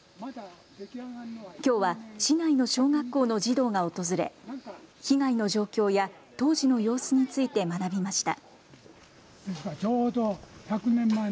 きょうは市内の小学校の児童が訪れ、被害の状況や当時の様子について学びました。